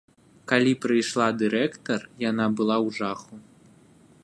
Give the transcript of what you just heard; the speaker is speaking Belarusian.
Калі прыйшла дырэктар, яна была ў жаху.